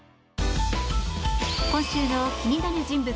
今週の気になる人物